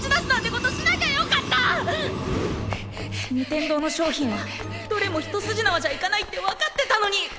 天堂の商品はどれも一筋縄じゃいかないって分かってたのに。